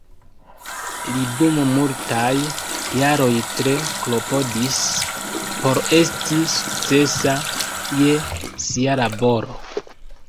Li dum multaj jaroj tre klopodis por esti sukcesa je sia laboro.